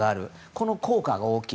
この効果が大きい。